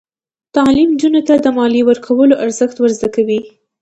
تعلیم نجونو ته د مالیې ورکولو ارزښت ور زده کوي.